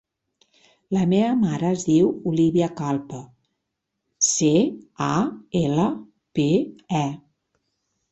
La meva mare es diu Olívia Calpe: ce, a, ela, pe, e.